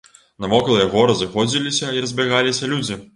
Навокал яго разыходзіліся і разбягаліся людзі.